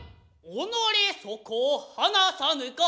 己そこを放さぬか。